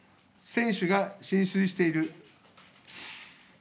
船首が浸水している。